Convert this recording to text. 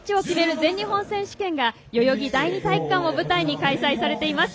全日本選手権が代々木第二体育館を舞台に開催されています。